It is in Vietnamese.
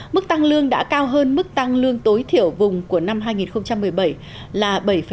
mức tăng lương đã cao hơn mức tăng lương tối thiểu vùng của năm hai nghìn một mươi bảy là bảy tám